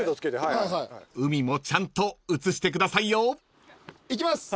［海もちゃんと写してくださいよ］いきます。